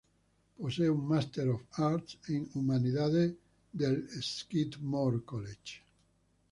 Posee un Master of Arts en humanidades del Skidmore College.